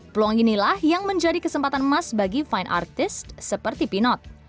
peluang inilah yang menjadi kesempatan emas bagi fine artist seperti pinot